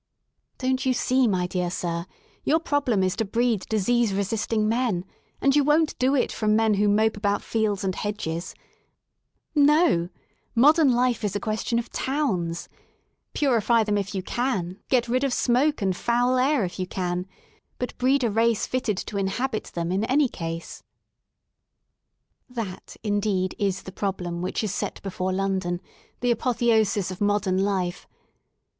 Don't you see, my dear sir, your problem is to breed disease resisting men, and you won't do it from men who mope about fields and hedges* No I modem life is a question of towns* Purify them if you can: get rid of smoke and foul air if you can* But breed a race fitted to inhabit them in any case." That indeed is the problem which is set before Lon don^ — the apotheosis of modern life.